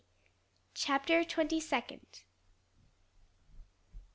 CHAPTER TWENTY SECOND.